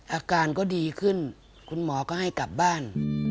อาการก็ดีขึ้นคุณหมอก็ให้กลับบ้าน